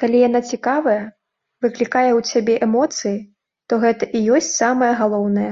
Калі яна цікавая, выклікае ў цябе эмоцыі, то гэта і ёсць самае галоўнае.